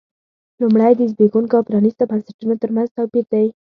لومړی د زبېښونکو او پرانیستو بنسټونو ترمنځ توپیر دی.